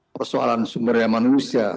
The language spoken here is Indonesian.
persoalan sumbernya manusia